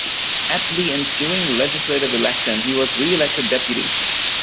At the ensueing legislative election, he was reelected deputy.